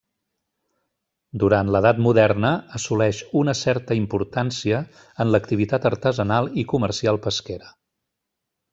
Durant l'Edat Moderna assoleix una certa importància en l'activitat artesanal i comercial pesquera.